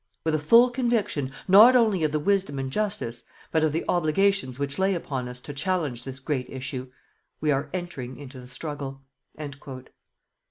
With a full conviction, not only of the wisdom and justice, but of the obligations which lay upon us to challenge this great issue, we are entering into the struggle.